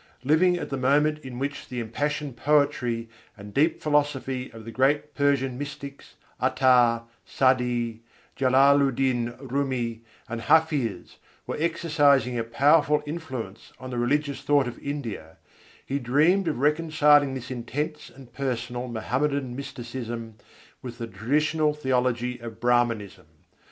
Living at the moment in which the impassioned poetry and deep philosophy of the great Persian mystics, Attâr, Sâdî, Jalâlu'ddîn Rûmî, and Hâfiz, were exercising a powerful influence on the religious thought of India, he dreamed of reconciling this intense and personal Mohammedan mysticism with the traditional theology of Brâhmanism.